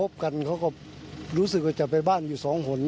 กันเขาก็รู้สึกว่าจะไปบ้านอยู่สองคน